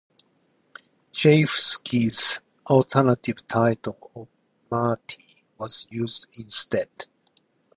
Chayefsky's alternative title of "Marty" was used instead.